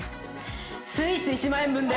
スイーツ１万円分で。